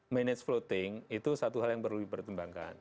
manage floating itu satu hal yang perlu dipertimbangkan